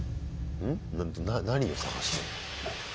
何を探してんの？